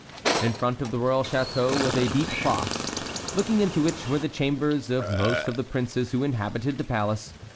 In front of the royal château was a deep fosse, looking into which were the chambers of most of the princes who inhabited the palace.